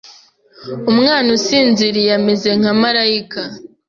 Umwana usinziriye ameze nka malayika.